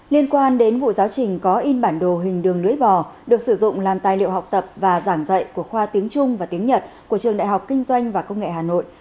liên quan đến vụ giáo trình có in bản đồ hình đường lưỡi bò được sử dụng làm tài liệu học tập và giảng dạy của khoa tiếng trung và tiếng nhật của trường đại học kinh doanh và công nghệ hà nội